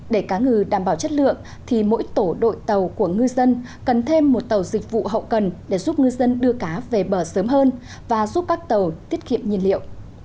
để cá ngừ đảm bảo chất lượng thì mỗi tổ đội tàu của ngư dân cần thêm một tàu dịch vụ hậu cần để giúp ngư dân đưa cá về bờ sớm hơn và giúp các tàu tiết kiệm nhiên liệu